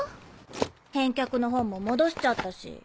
返却の本も戻しちゃったし。